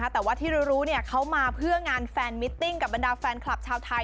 แต่ว่าที่เรารู้เขามาเพื่องานแฟนมิตติ้งกับบรรดาแฟนคลับชาวไทย